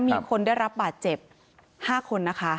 มีคนได้รับบาดเจ็บ๕คนนะคะ